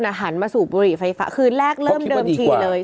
คนอะหันมาสูบบุหรี่ไฟฟ้าคือแรกเริ่มก็ดนีกว่า